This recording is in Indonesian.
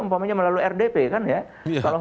umpamanya melalui rdp kan ya kalau